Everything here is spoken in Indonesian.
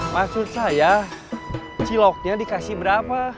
maksud saya ciloknya dikasih berapa